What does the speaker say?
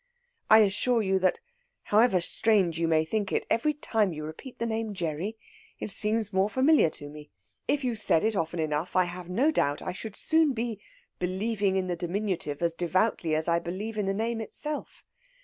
I assure you that, however strange you may think it, every time you repeat the name Gerry, it seems more familiar to me. If you said it often enough, I have no doubt I should soon be believing in the diminutive as devoutly as I believe in the name itself.